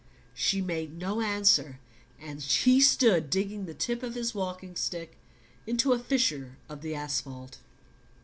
She made no answer, and he stood digging the tip of his walking stick into a fissure of the asphalt.